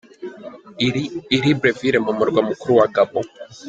Iri I Libreville mu murwa mukuru wa Gabon.